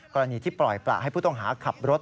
กรณีที่ปล่อยประให้ผู้ต้องหาขับรถ